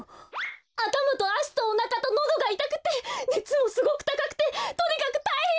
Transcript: あたまとあしとおなかとのどがいたくてねつもすごくたかくてとにかくたいへんなんです！